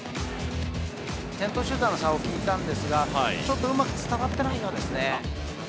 先頭集団の差を聞いたんですが、ちょっとうまく伝わってないようですね。